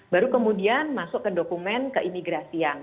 baru kemudian masuk ke dokumen keimigrasian